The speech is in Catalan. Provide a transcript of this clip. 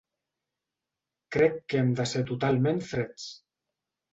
Crec que hem de ser totalment freds.